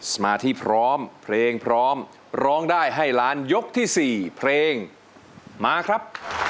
สมาธิพร้อมเพลงพร้อมร้องได้ให้ล้านยกที่๔เพลงมาครับ